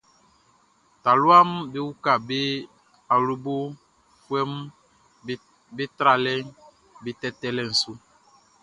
Taluaʼm be uka be awlobofuɛʼm be tralɛʼm be tɛtɛlɛʼn su.